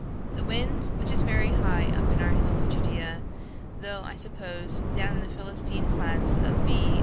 The wind, which is very high up in our hills of Judea, though, I suppose, down in the Philistine flats of B.